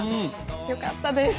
よかったです。